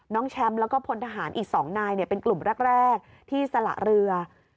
แชมป์แล้วก็พลทหารอีก๒นายเป็นกลุ่มแรกที่สละเรือ